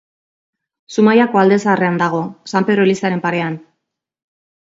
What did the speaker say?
Zumaiako Alde Zaharrean dago, San Pedro elizaren parean.